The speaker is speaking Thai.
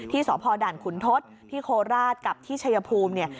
ที่สดคุณทศที่โคราชกับที่ชัยภูมิ